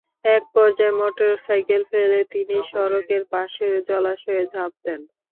একপর্যায়ে মোটরসাইকেল ফেলে তিনি সড়কের পাশের জলাশয়ে ঝাঁপ দেন।